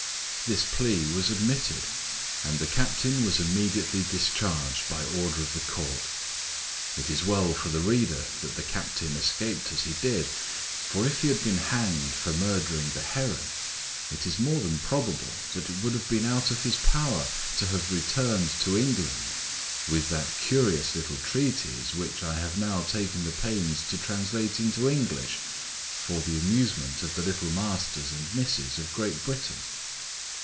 This plea was admitted, and the captain was immediately discharged by order of the court. It is well for the reader that the captain escaped as he did: for if he had been hanged for murdering the heron, it is more than probable that it would have been out of his power to have returned to England with that curious little treatise which I have now taken the pains to translate into English for the amusement of the little masters and misses of Great Britain.